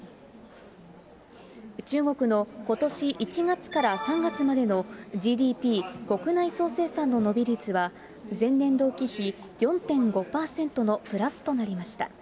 中国のことし１月から３月までのＧＤＰ・国内総生産の伸び率は、前年同期比４．５％のプラスとなりました。